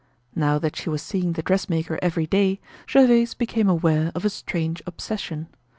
Now that she was seeing the dressmaker every day Gervaise became aware of a strange obsession.